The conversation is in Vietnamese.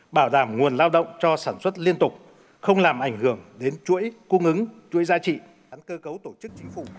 bảo đảm nguồn lao động cho sản xuất liên tục không làm ảnh hưởng đến chuỗi cung ứng chuỗi giá trị